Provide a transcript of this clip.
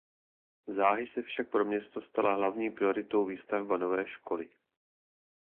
Záhy se však pro město stala hlavní prioritou výstavba nové školy.